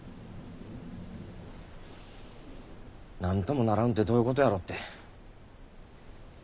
なんともならんってどういうことやろって。